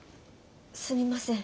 すみません。